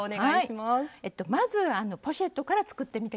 まずポシェットから作ってみて下さい。